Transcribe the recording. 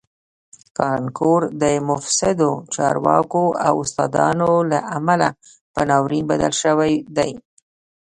کانکور د مفسدو چارواکو او استادانو له امله په ناورین بدل شوی دی